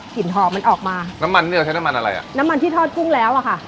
หอมมันออกมาน้ำมันนี่เราใช้น้ำมันอะไรอ่ะน้ำมันที่ทอดกุ้งแล้วอ่ะค่ะ